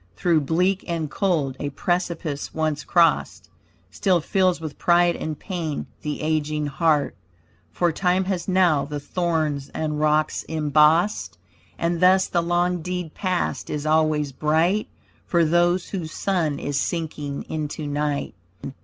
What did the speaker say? Through bleak and cold, a precipice once crossed Still fills with pride and pain the aging heart; For time has now the thorns and rocks embossed, And thus the long dead past is always bright, For those whose sun is sinking into night.